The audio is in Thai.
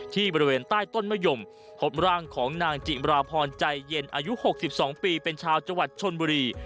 บริเวณใต้ต้นมะยมพบร่างของนางจิมราพรใจเย็นอายุ๖๒ปีเป็นชาวจังหวัดชนบุรี